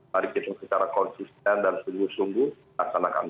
mari kita secara konsisten dan sungguh sungguh laksanakan